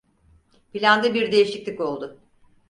Planda bir değişiklik oldu.